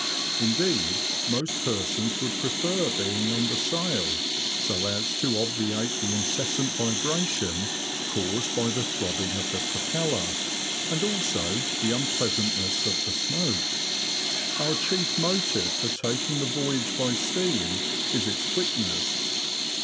Indeed, most persons would prefer being under sail, so as to obviate the incessant vibration caused by the throbbing of the propeller, and also the unpleasantness of the smoke. Our chief motive for taking the voyage by steam is its quick ness.